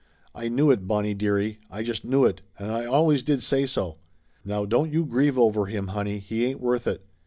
I knew it, Bonnie dearie, I just knew it and I always did say so! Now don't you grieve over him, honey, he ain't worth it.